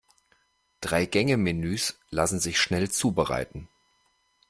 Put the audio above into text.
Drei-Gänge-Menüs lassen sich schnell zubereiten.